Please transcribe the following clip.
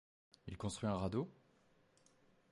Il construit un radeau ?